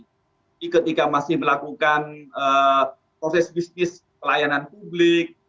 jadi ketika masih melakukan proses bisnis pelayanan publik